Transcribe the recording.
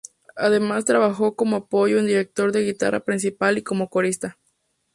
Además trabajó como apoyo en directo del guitarra principal y como corista.